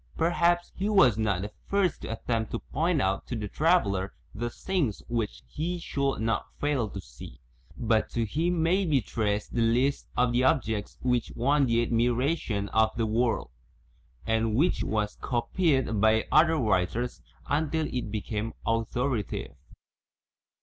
Perhaps he was not the first to attempt to point out to the traveller the things which he should not fail to see, but to him may be traced the list of the objects which won the admiration of the world, and which was PREFACE v copied by other writers until it became authorita tive.